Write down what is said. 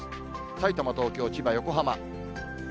さいたま、東京、千葉、横浜。